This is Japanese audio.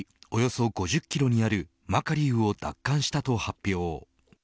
およそ５０キロにあるマカリウを奪還したと発表。